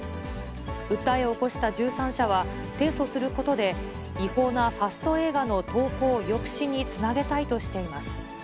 訴えを起こした１３社は、提訴することで違法なファスト映画の投稿抑止につなげたいとしています。